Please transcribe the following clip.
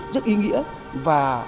rất ý nghĩa và